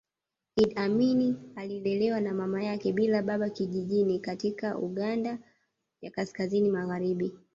Iddi Amin alilelewa na mama yake bila baba kijijini katika Uganda ya Kaskazini magharibi